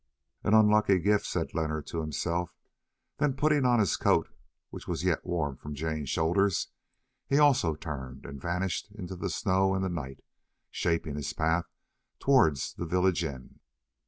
"An unlucky gift," said Leonard to himself; then putting on his coat, which was yet warm from Jane's shoulders, he also turned and vanished into the snow and the night, shaping his path towards the village inn.